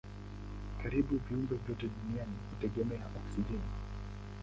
Karibu viumbe vyote duniani hutegemea oksijeni.